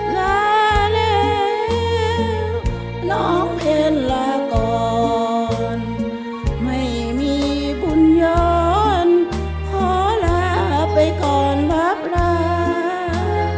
ลาแล้วน้องเคนลาก่อนไม่มีบุญย้อนขอลาไปก่อนรับลา